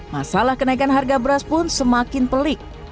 masalah kenaikan harga beras pun semakin pelik